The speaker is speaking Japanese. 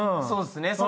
そうっすね